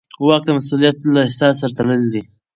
واک د مسوولیت له احساس سره تړلی دی.